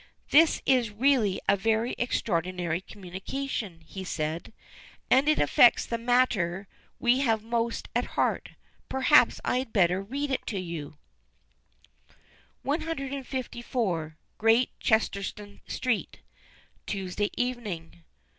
"This is really a very extraordinary communication," he said, "and it affects the matter we have most at heart, perhaps I had better read it to you: "154, Great Chesterton Street, _Tuesday Evening.